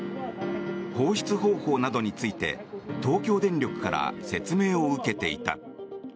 放出方法などについて東京電力から説明を受けていた。